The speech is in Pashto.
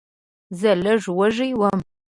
زه لږ وږی وم.